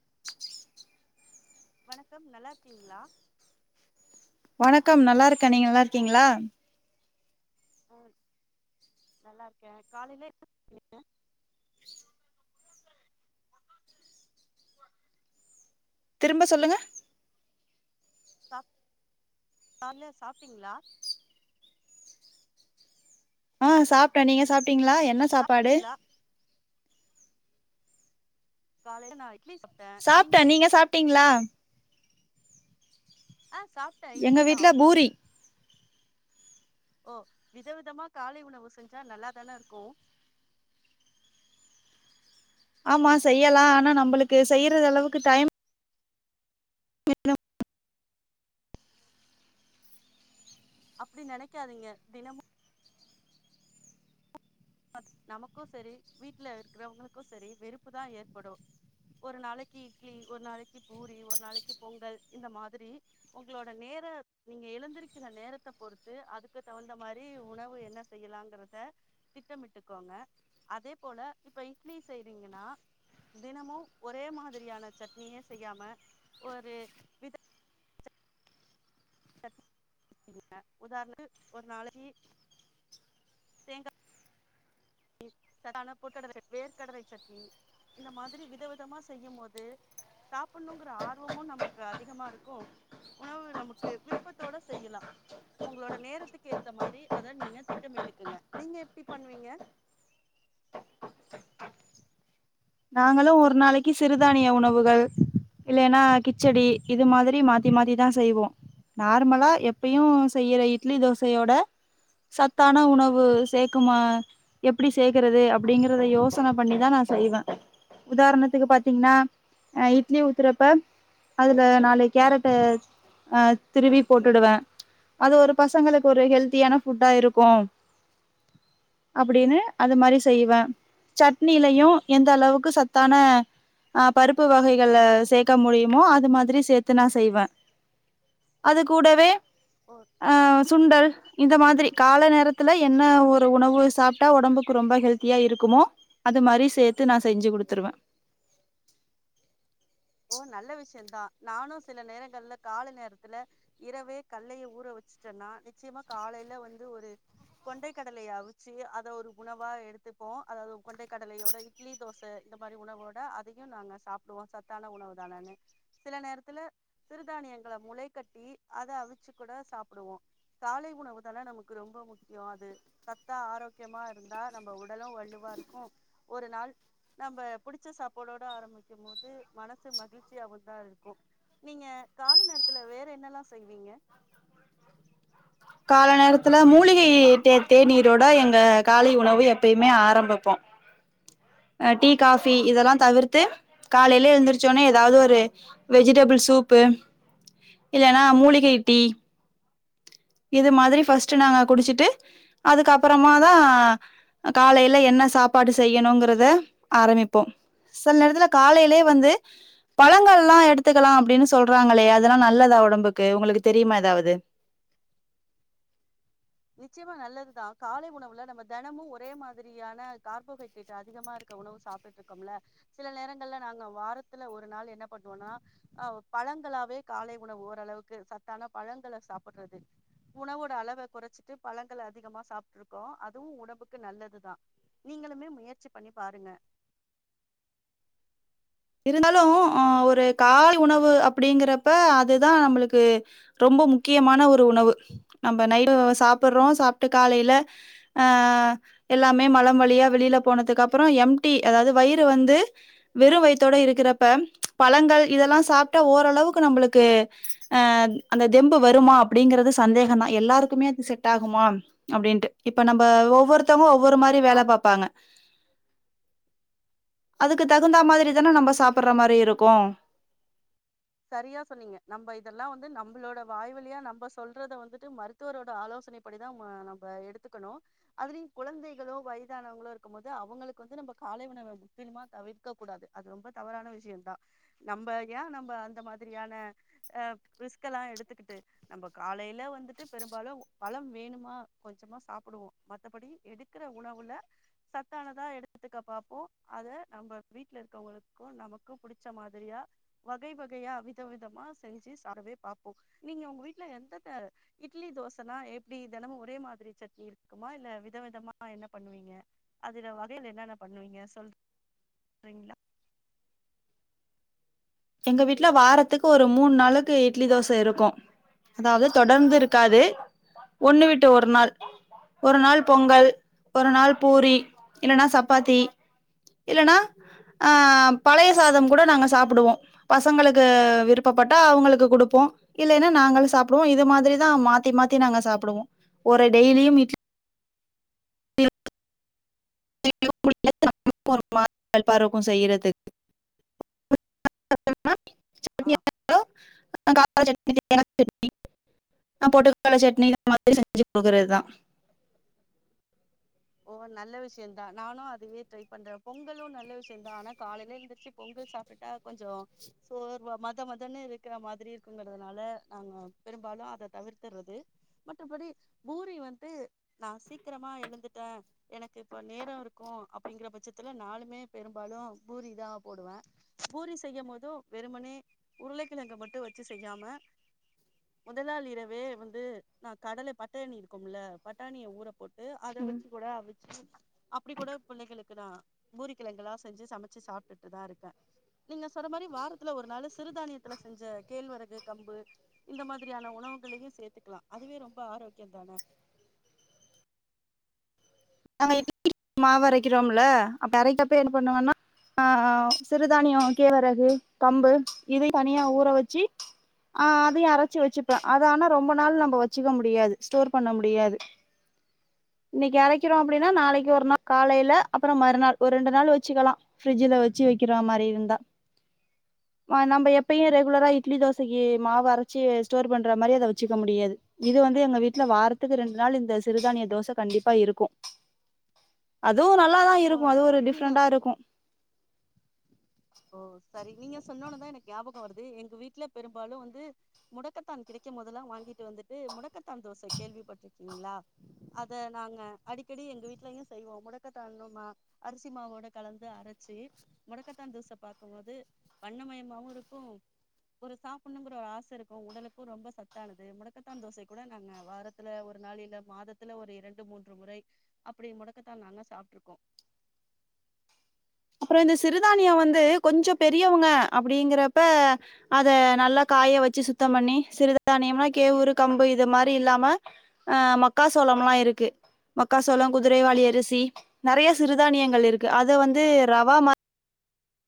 [inaudible] வணக்கம் நல்லா இருக்கீங்களா வணக்கம் நல்லா இருக்கேன் நீங்க நல்லா இருக்கீங்களா உஹ் நல்லா இருக்கே காலையில திரும்ப சொல்லுங்க சாப் காலயில சாப்புட்டீங்ளா ஆஹ் சாப்ட்டேன் நீங்க சாப்ட் டிங்களா என்ன சாப்பாடு சாப்ட்டீங்களா காலையில நான் சாப்ட்டே நீங்க சாப்பிட்டீங்ளா ஆ சாப்ட்டே எங்க இட்லி தா வீட்ல பூரி ஓ விதவிதமா காலை உணவு செஞ்சா நல்லாதானே இருக்கு ஆமா செய்யலாம் ஆனா நம்மளுக்கு செய்யறது அளவுக்கு டைம் [inaudible] அப்டி நனைக்காதீங்க தினமும் நமக்கும் சரி வீட்டுல இருக்கிறவங்களுக்கு சரி வெறுப்புதான் ஏற்படும் ஒரு நாளைக்கு இட்லி ஒரு நாளைக்கு பூரி ஒரு நாளைக்கு பொங்கல் இந்த மாரி உங்களோட நேர நீங்க எழுந்திருக்கிற நேரத்த பொறுத்து அதுக்கு தகுந்த மாரி உணவு என்ன செய்யலாங்கறத திட்டமிட்டுக்கோங்க அதே போல இப்ப இட்லி செய்றீங்கன்னா தினமும் ஒரே மாதிரியான சட்னிய செய்யாம ஒரு வித உதாரணத்து ஒரு நாளைக்கு தேங்கா சான பொடடரை வேர்க்கடலை சட்னி இந்த மாரி வித விதமா செய்யும் போது சாப்படணுங்கிற ஆர்வமும் நமக்கு அதிகமா இருக்கும் உணவு நமக்கு விருப்பத்தோட செய்யலாம் உங்களோட நேரத்துக்கு ஏத்த மாரி அதை நீங்க திட்டமிட்டுக்குங்க நீங்க எப்படி பண்ணுவீங்க நாங்களும் ஒரு நாளைக்கு சிறுதானிய உணவுகள் இல்லன்னா கிச்சடி இது மாரி மாத்தி மாத்திதான் செய்வோம் நார்மலா எப்பயும் செய்யற இட்லி தோசையோட சத்தான உணவு சேர்க்கமா எப்டி சேர்க்கறது அப்டிங்கறத யோசனை பண்ணிதான் நான் செய்வேன் உதாரணத்துக்கு பாத்தீங்கன்னா அ ஓ இட்லி உத்தறப்பா அதுல நாலு கேரட அ திருவி போட்டுவேன் அது ஒரு பசங்களுக்கு ஒரு ஹெல்த்தியான ஃபுட்டா இருக்கும் அப்டின்னு அது மாரி செய்வேன் சட்னியிலையும் எந்த அளவுக்கு சத்தான ஆ பருப்பு வகைகள சேர்க்க முடியுமோ அது மாதிரி சேர்த்து நான் செய்வேன் அது கூடவே ஓ அஹ் சுண்டல் இந்த மாதிரி கால நேரத்துல என்ன ஒரு உணவு சாப்பட்டா உடம்புக்கு ரொம்ப ஹெல்த்தியா இருக்குமோ அது மாரி சேர்த்து த்து நான் செஞ்சு கொடுத்துருவேன் ஓ நல்ல விஷயம்தான் நானும் சில நேரங்கள்ல கால நேரத்துல இரவே கல்லைலா ஊற வச்சுட்டேன்னா நிச்சயமா காலையில வந்து ஒரு கொண்டை கடலைய அவிச்சு அத ஒரு உணவா எடுத்துப்போம் அதாவது கொண்டை கடலையோட இட்லி தோசை இந்த மாரி உணவோட அதையும் நாங்க சாப்படுவோம் சத்தான உணவு தானு சில நேரத்துல சிறுதானியங்கள முளை கட்டி அத அவிச்சு கூட சாப்பிடுவோம் காலை உணவு தானே நமக்கு ரொம்ப முக்கியம் அது சத்தா ஆரோக்கியமா இருந்தா நம்ம உடலும் வள்ளுவா இருக்கும் ஒரு நாள் நம்ம புடிச்ச சாப்பாடோட ஆரம்பிக்கும் போது மனசு மகிழ்ச்சியாவ தான் இருக்கும் நீங்க கால நேரத்துல வேற என்னல்லாம் செய்வீங்க கால நேரத்துல மூலிகை தே தே நீரோட எங்க காலை உணவு எப்பயுமே ஆரம்பிப்போம் அ டீ காபி இதெல்லாம் தவிர்த்து காலயிலயே இருழுந்திரச்சோனே ஏதாவது ஒரு வெஜிடபிள் சூப்பு இல்லன்னா மூலிகை டீ இது மாதிரி ஃபஸ்ட் நாங்க குடிச்சுட்டு அதுக்கப்புறமாதான் காலையில என்ன சாப்பாடு செய்யணுங்கிறத ஆரம்பிப்போம் சில நேரத்துல காலையிலயே வந்து பழங்கள் எல்லாம் எடுத்துக்கலாம் அப்படின்னு சொல்றாங்களே அதெல்லாம் நல்லதா உடம்புக்கு உங்களுக்கு தெரியுமா ஏதாவது நிச்சயமா நல்லதுதான் காலை உணவுல நம்ம தினமும் ஒரே மாதிரியான கார்போஹைட்ரேட் அதிகமா இருக்க உணவு சாப்பிட்டுட்டு இருக்கோம்ல சில நேரங்கள்ல நாங்க வாரத்துல ஒரு நாள் என்ன பண்ணுவோம்னா ஆஹ் பழங்களாவே காலை உணவு ஓரளவுக்கு சத்தான பழங்கள சாப்பிடுறது உணவோட அளவை குறைச்சு ட்டு பழங்கள் அதிகமா சாப்பட்டு இருக்கோம் அதுவும் உடம்புக்கு நல்லதுதான் நீங்களுமே முயற்சி பண்ணி பாருங்க இருந்தாலும் ஆ ஒரு கால் உணவு அப்டிங்கறப்ப அதுதான் நம்மளுக்கு ரொம்ப முக்கியமான ஒரு உணவு நம்ம நைட சாப்படுறோம் சாப்பட்டு காலையில ஆ எல்லாமே மழம் வழியா வெளியில போனதுக்கு அப்பறம் எம்டி அதாவது வயிறு வந்து வெறும் வைத்து இருக்கிறப்ப பழங்கள் இதெல்லாம் சாப்பட்டா ஓரளவுக்கு நம்மளுக்கு அந்த தெம்பு வருமா அப்டிங்கற சந்தேகம் தான் எல்லாருக்குமே அ செட் ஆகு மா அப்டின்ட்டு இப்ப நம்ம ஒவ்வொருத்தவங்க ஒர ஒரு மாரி வேல ஆம் பாப்பாங்க அதுக்கு தகுந்தா மாதிரி இதான நம்ம சாப்புடுற மாரி இருக்கும் சரியா சொன்னீங்க நம்ம இதெல்லாம் வந்து நம்மளோட வாய்விலியா நம்ம சொல்றத வந்துட்டு மருத்துவரோட ஆலோசனை படிதான் நம்ம எடுத்துக்கணும் அதுலயும் கெழந்தைகளோ வயதானவங்களோ இருக்கும் போது அவங்களுக்கு வந்து நம்ம காலைவுணவை முக்கியமா தவிர்க்க கூடாது அது ரொம்ப தவறான விஷயம் தான் நம்ம ஏன் நம்ம இதமாதிரியான ரிஸ்க்லா எடுத்துக்கிட்டு நம்ம காலையில வந்துட்டு பெரும்பாலும் பழம் வேணுமா கொஞ்சமா சாப்படுவோம் மத்தபடி எடுக்கிற உணவுல சத்தானதா எடுத்துக்க பார்பப்போம் அத நம்ம வீட்டுல இருக்கவங்களுக்கும் நமக்கும் படிச்ச மாரியா வகை வகை கையா வித விதமா செஞ்சு சாரவே பாப்போம் நீங்க உங்க வீட்டுல எந்த இட்லி தோசைனா எப்டி ஒரே மாரி சட்னி இருக்குமா இல்ல விதவிதமா என்ன பண்ணுவீங்க அதுல வகையில என்னன்ன பண்ணுவீங்க சொல் ரீங்களா எங்க வீட்டுல வாரத்துக்கு ஒரு மூணு நாளுக்கு இட்லி தோச இருக்கும் அதாவது தொடர்ந்து இருக்காது ஒண்ணு வீட்டு ஒரு நாள் ஒரு நாள் பொங்கல் ஒரு நாள் பூரி இல்லன்னா சப்பாத்தி இல்லன்னா ஆஹ் பழைய சாதம் கூட நாங்க சாப்பிடுவோம் பசங்களுக்கு விருப்பப்பட்டா அவங்களுக்கு குடுப்போம் இல்லைன்னா நாங்களும் சாப்பிடுவோம் இது மாதிரிதான் மாத்தி மாத்தி நாங்க சாப்பிடுவோம் ஒரு டெய்லியும் இட் ன்னு ட்டு [inaudible] ப்பாக்கும் செய்யறதுக்கு ஆஹ கர சட்ன தேங்கா சட்னிஹ் போட்டுக்கல சட்னி இந்த மாதிரி செஞ்சு கொடுக்குறதுதான் ஓ நல்ல விஷயம்தான் நானும் அதையே ட்ரை பண்றேன் பொங்கலும் நல்ல விஷயம்தான் ஆனா காலையில எந்துருச்சு பொங்கல் சாப்பிட்டா கொஞ்சம் சோர்வ மத மதன்னு இருக்கிற மாதிரி இருக்குங்கிறதுனால நாங்க பெரும்பாலும் அத தவிர்த்துறது மற்றபடி பூரி வந்து நான் சீக்கிரமா எழுந்து எனக்கு இப்ப நேரம் இருக்கும் அப்டிங்கிற பட்சத்துல நளுமே பெரும்பாலும் பூரி தான் போடுவேன் பூரி செய்யும் போதும் வெறுமனே உருளைக்கிழங்க மட்டும் வச்சு செய்யாம முதலாள இரவே வந்து நான் கடல பட்டாணி இருக்கும்ல பட்டாணிய ஊற போட்டு அத உஹம் வச்சு கூட அவுச்சி அப்டி கூட பிள்ளைகளுக்கு நான புரிக்கிழங்கா செஞ்சு சமைச்சு சாப்பட்டுட்டுதான் இருக்கேன் நீங்க சொற மாரி வாரத்துல ஒரு நாலு சிறுதானியத்துல செஞ்ச கேழ்வரகு கம்பு இந்த மாரியான உணவுகளையும் சேர்த்துக்கலாம் அதுவே ரொம்ப ஆரோக்கியம்தானே நா இ மாவுரைக்கிறோம்ல அப்ப இறைக்கப்ப என்ன பண்ணுவன்னா ஆ சிறுதானியம் கேவரகு கம்பு இதயும் தனியா ஊற வச்சு ஆஹ் அதையும் அரைச்சு வச்சுப்பேன் அத ஆனா ரொம்ப நாள் நம்ம வச்சுக்க முடியாது ஸ்டோர் பண்ண முடியாது இன்ன வைக்கிறோம் அப்டின்னா நாளைக்கு ஒரு நாள் காலையில அப்பறம் மறுநாள் ஒரு ரெண்டு நாள் வச்சுக்கலாம் ஃபரிஜல வச்சு வைக்கிற மாரி இருந்தா நம்ம எப்பயும் ரெகுலரா இட்லி தோசைக்கு மாவு அரைச்சி ஸ்டோர் பண்ற மாரி அத வச்சுக்க முடியாது இது வந்து எங்க வீட்டல வாரத்துக்கு ரெண்டு நாள் இந்த சிறுதானிய தோச கண்டிப்பா இருக்கும் அதுவும் நல்லாதான் ஓ இருக்கும் அது ஒரு நீங்க டிஃப்ரெண்டண்டா இருக்கும் ஓ செரி நீங்க சொன்னோனுதான் எனக்கு ஞாபகம் வருது எங்க வீட்டுல பெரும்பாலும் வந்து முடக்கத்தான் கிடைக்கும் முதல்லாம் வாங்கிட்டு வந்துட்டு முடக்கத்தான் தோசை கேள்விப்பட்டிருக்கீங்களா அத நாங்க அடிக்கடி எங்க வீடலயையும் செய்வோம் முடக்கத்தான் அரிசி மாவோட கலந்து அரைச்சு முடக்கத்தான் தோச பாக்கும்ம்போது வண்ணமயமாவும் இருக்கும் ஒரு சாப்படணுங்கிற ஒரு ஆசை இருக்கும் உடலுக்கும் ரொம்ப சத்தானது முடக்கத்தான் தோசை கூட நாங்க வாரத்துல ஒரு நாள் இல்ல மாதத்துல ஒரு இரண்டு மூன்று முறை அப்டி முடக்கத்தான் நாங்க சாப்பிட்டுருக்கோம் அப்பறம் இந்த சிறுதானியம் வந்து கொஞ்சம் பெரியவங்க அப்டிங்கிறப்ப அத நல்லா காய வச்சு சுத்தம் பண்ணி சிறுதானியம்னா கேவுரு கம்பு இது மாரி இல்லாம ஆ மக்காசோளம் எல்லாம் இருக்கு மக்காசோளம் குதிரைவாளி அரிசி நெறைய சிறுதானியங்கள் இருக்கு அத வந்து ரவாம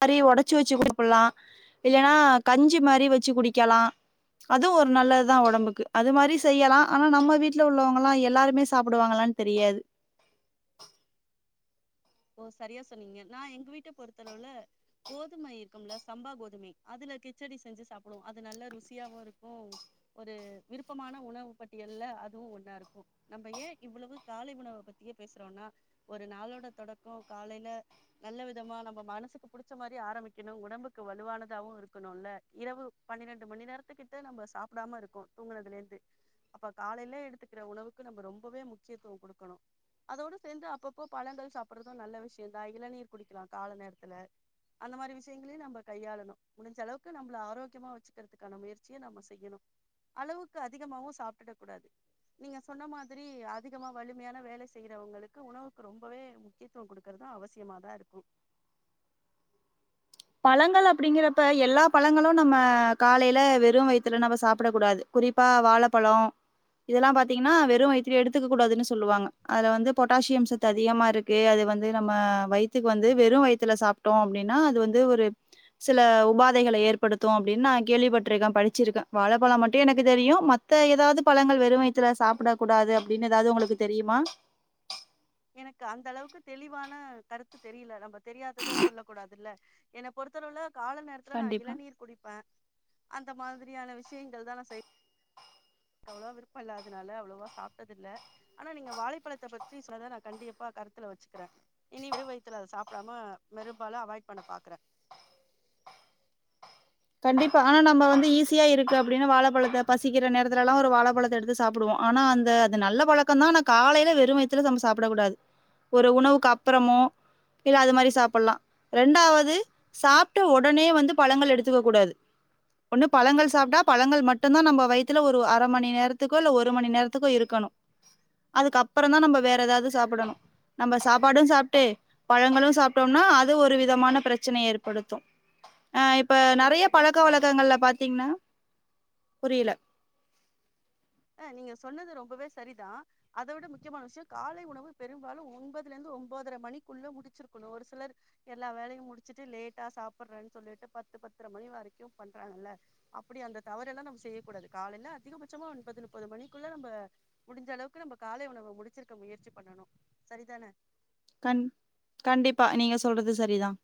மாரி உடைச்சு வச்சு குடுப்பலாம் இல்லன்னா கஞ்சி மாரி வச்சு குடிக்கலாம் அதுவும் ஒரு நல்லதுதான் உடம்புக்கு க்கு அது மாரி செய்யலாம் ஆனா நம்ம வீட்டுல உள்ளவங்கல்லாம் எல்லாருமே சாப்படுவாங்களானு தெரியாது ஓ சரியா சொன்னீங்க நான் எங்க வீட்ட பொறுத்தளவுல கோதுமை இருக்கும்ல சம்பா கோதுமை அதுல கிச்சடி செஞ்சு சாப்பிடுவோம் அது நல்லா ருசியாவும் இருக்கும் ஒரு விருப்பமான உணவு பட்டியல்ல அதுவும் ஒன்னா இருக்கும் நம்ம ஏன் இவ்வளவு காலை உணவை பத்தியே பேசுறோம்னா ஒரு நாளோட தொடக் காலையில நல்ல விதமா நம்ம மனசுக்கு புடிச்ச மாரி ஆரம்பிக்கணும் உடம்புக்கு வலுவானதாவும் இருக்கணும்ல்ல இரவு பன்னிரெண்டு மணி நேரத்துக்கிட்ட நம்ம சாப்படாம இருக்க தூங்றகுதுல இருந்து அப்ப காலையில எடுத்துக்கிற உணவுக்கு நம்ம ரொம்பவே முக்கியத்துவம் கொடுக்கணும் அதோடு சேர்ந்து அப்பப்போ பழங்கள் சாப் சாப்புறதும் நல்ல விஷயம்ந்தான் இளநீர் குடிக்கலாம் கால நேரத்துல அந்த மாரி விஷயங்களையும் நம்ம கையாளணும் முடிஞ்சளவுக்கு நம்மளை ஆரோக்கியமாக வச்சுக்கிறதுக்கான முயற்சியை நம்ம செய்யணும் அளவுக்கு அதிகமவும் சாப்பட்டுட கூடாது நீங்க சொன்ன மாதரி அதிகமா வலிமையான வேல செய்யிறவங்களுக்கு உணவுக்கு ரொம்பவே முக்கியத்துவம் கொடுக்கறதும் அவசியமாதா இருக்கும் பழங்கள் அப்டிங்கிறப்ப எல்லா பழங்களும் நம்ம காலைல வெறும் வயித்துல நம்ம சாப்பட கூடாது குறிப்பா வாழப்பழம் இதெல்லாம் பாத்தீங்கன்னா வெறும் வயித்துல எடுத்துக்க கூடாதுன்னு சொல்லுவாங்க அதுல வந்து பொட்டாசியம் சத்து அதிகமா இருக்கு அது வந்து நம்ம வயித்துக்கு வந்து வெறும் வயித்துல சாப்பட்டோம் அப்டின்னா அது வந்து இதுஒரு சில உபாதைகளை ஏற்படுத்தும் அப்டின்னு நான கேள்விப்பட்டிருக்கேன் படிச்சிருக்கேன் வாழை பழம் மட்டும் எனக்கு தெரியும் மத்த ஏதாவது பழங்கள் வெறுவைத்துல சாப்பட கூடாது அப்டின்னு ஏதாவது உங்களுக்கு தெரியுமா எனக்கு அந்த அளவுக்கு தெளிவான கருத்து தெரியல நம்ம தெரியாதத சொல்ல கூடாதுல்ல என்ன பொறுத்தளவுல கால நேரத்துல நான் கண்டிப்பா இளநீர் குடிப்பேன் அந்த மாரியான விஷயங்கள் தான் நான் செய் க்கு அவ்ளவா விருப்பம் இல்லாததுனால அவ்வளவா சாப்ட்டது இல்ல ஆனா நீ வாழைப்பழத்தை பத்தி சொன்னதை நான் கண்டிப்பா கருத்துல வச்சுக்கிறேன் இனி வெரு வயத்துல அத சாப்படாம வெரும்பால அவாய்ட் பண்ண பாக்குறேன் கண்டிப்பா ஆனா நம்ம வந்து ஈஸியா இருக்கு அப்டின்னு வாழைப்பழத்தை பசிக்கிற நேரத்துலல்லாம் ஒரு வாழைப்பழத்தை எடுத்து சாப்படுவோம் ஆனா அந்த அது நல்ல பழக்கம் தான் ஆனா காலையில வெறும் வயத்துல நம்ம சாப்படக்க கூடாது ஒரு உணவுக்கு அப்பறமோ இல்ல அது மாரி சாப்படலாம் ரெண்டாவது சாப்பட்ட உடனே வந்து பழங்கள் எடுத் எடுத்துக்க கூடாது ஒண்ணு பழங்கள் சாப்பட்டா பழங்கள் மட்டும்தான் நம்ம வயித்ல ஒரு அரை மணி நேரத்துக்ககோ இல்ல ஒரு மணி நேரத்துக்கோ இருக்கணும் அதுக்கப்புறம் தான் நம்ம வேற ஏதாவது சாப்படணும் நம்ம சாப்பாடும் சாப்ப பழங்களும் சாப்பட்டோம்னா அது ஒரு விதமான பிரச்சனை ஏற்படுத்தும் இப்ப ரொம்பவே நிறைய சரியா பழக்க சொன்னீங்க வழக்கங்கள்ல பாத்தீங்கன்னா புரியல ஹ நீங்க சொன்னது ரொம்பவே சரிதான் அத விட முக்கியமான விஷயம் காலை உணவு பெரும்பாலும் ஒன்பதுல இருந்து ஒன்பதரை மணிக்குள்ள முடிச்சிருக்கணும் ஒரு சிலர் எல்லா வேலயும் முடிச்சுட்டு லேட்டா சாப்படுறேன்னு சொல்லிட்டு பத்து பத்தரை மணி வரைக்கும் பண்றாங்கல்ல அப்டி அந்த தவறு எல்லாம் நம்ம செய்யக்கூடாது காலையில அதிகபட்சமா ஒன்பது ஒன்பது மணிக்குள்ள நம்ம முடிஞ்ச அளவுக்கு நம்ம காலை உணவு முடிச்சிருக்க முயற்சி பண்ணணும் சரிதானே கண் கண்டிப்பா நீங்க சொல்றது சரிதான்